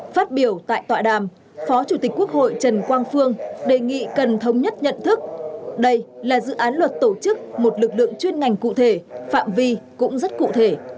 phát biểu tại tọa đàm phó chủ tịch quốc hội trần quang phương đề nghị cần thống nhất nhận thức đây là dự án luật tổ chức một lực lượng chuyên ngành cụ thể phạm vi cũng rất cụ thể